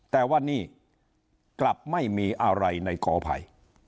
แต่ว่านี่กลับไม่มีอะไรในกอภัย